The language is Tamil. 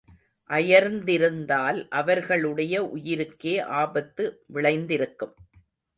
அயர்ந்திருந்தால் அவர்களுடைய உயிருக்கே ஆபத்து விளைந்திருக்கும்.